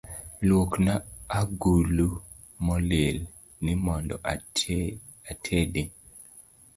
Luokna agulu molil ni mondo atede